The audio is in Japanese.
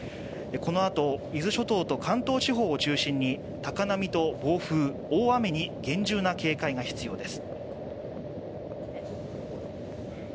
このあと、伊豆諸島と関東地方を中心に高波と暴風、大雨に厳重な警戒が必要です。